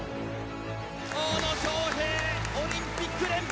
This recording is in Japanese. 大野将平、オリンピック連覇！